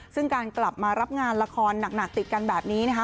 ซึ่งการกลับมารับงานละครหนักติดกันแบบนี้นะคะ